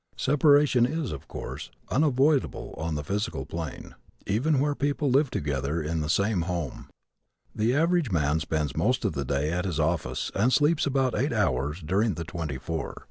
Separation is, of course, unavoidable on the physical plane, even where people live together in the same home. The average man spends most of the day at his office and sleeps about eight hours during the twenty four.